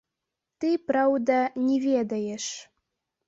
Ты, праўда, не ведаеш.